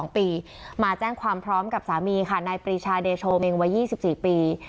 ๒ปีมาแจ้งความพร้อมกับสามีค่ะนายปรีชาเดโชเมงวัย๒๔ปี